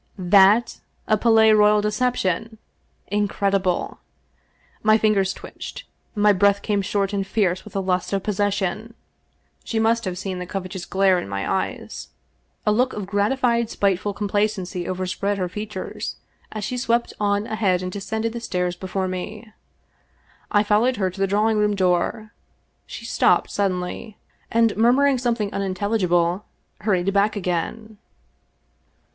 That a Palais Royal deception! Incredible! My fingers twitched, my breath came short and fierce with the lust of possession. She must have seen the covet ous glare in my eyes. A look of gratified spiteful com placency overspread her features, as she swept on ahead and descended the stairs before me. I followed her to the drawing room door. She stopped suddenly, and murmur ing something unintelligible hurried back again.